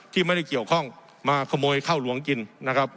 ที่ไม่ได้เกี่ยวข้องมาขโมยข้าวหลวงกินนะครับ